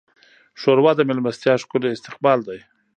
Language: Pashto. ښوروا د میلمستیا ښکلی استقبال دی.